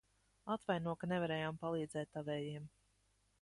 Atvaino, ka nevarējām palīdzēt tavējiem.